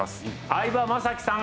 相葉雅紀さん